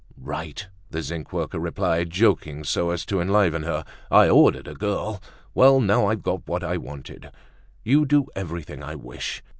"Right!" the zinc worker replied, joking so as to enliven her, "I ordered a girl! Well, now I've got what I wanted! You do everything I wish!"